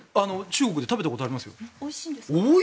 中国で食べたことあるんです。